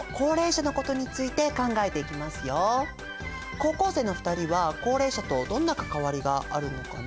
高校生の２人は高齢者とどんな関わりがあるのかな？